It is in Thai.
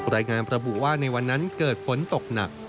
รายงานระบุว่าในวันนั้นเกิดฝนตกหนัก